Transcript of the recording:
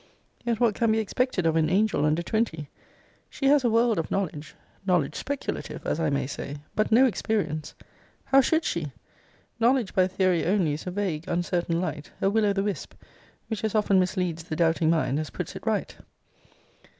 Yet what can be expected of an angel under twenty? She has a world of knowledge: knowledge speculative, as I may say, but no experience. How should she? Knowledge by theory only is a vague, uncertain light: a Will o' the Wisp, which as often misleads the doubting mind, as puts it right.